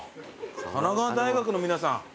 神奈川大学の皆さん。